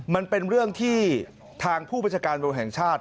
มันเป็นเรื่องที่ทางผู้พจกรบริภัณฑ์ฯ